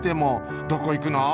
「どこいくのー？」。